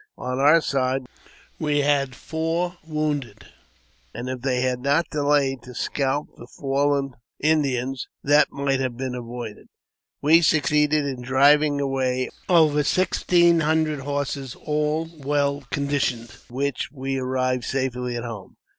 On our side we had four wounded; and if they had not delayed to scalp the fallen Indians, that might have been avoided. We succeeded in driving away over sixteen hundred horses, all well conditioned, with which we arrived safely at home.